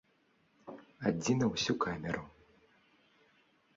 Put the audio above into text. Адзін на ўсю камеру!